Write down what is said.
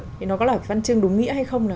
thì nó có là văn chương đúng nghĩa hay không